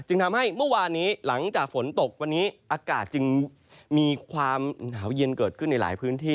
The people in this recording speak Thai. ทำให้เมื่อวานนี้หลังจากฝนตกวันนี้อากาศจึงมีความหนาวเย็นเกิดขึ้นในหลายพื้นที่